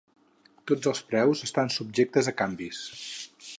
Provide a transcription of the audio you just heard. Tots els preus estan subjectes a canvis.